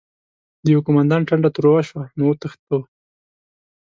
د يوه قوماندان ټنډه تروه شوه: نو وتښتو؟!